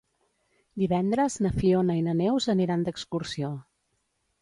Divendres na Fiona i na Neus aniran d'excursió.